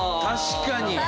確かに！